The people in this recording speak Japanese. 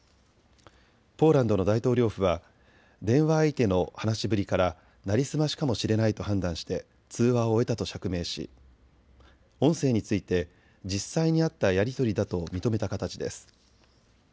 ポーランドの大統領府は電話相手の話しぶりから成り済ましかもしれないと判断して通話を終えたと釈明し音声について実際にあったやり取りだと認めた形です。